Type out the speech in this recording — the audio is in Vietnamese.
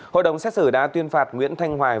hội đồng xét xử đã tuyên phạt nguyễn thanh hoài